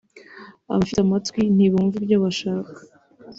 abafite amatwi ntibumva ibyo bashaka